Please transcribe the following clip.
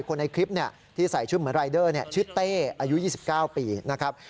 คนในคลิปเนี่ยที่ใส่ชื่อเหมือนรายเดอร์เนี่ยชื่อเต้อายุยี่สิบเก้าปีนะครับ